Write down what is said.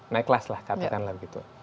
naik kelas lah katakanlah begitu